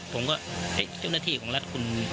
ผมก็เจ้าหน้าที่ของรัฐคุณ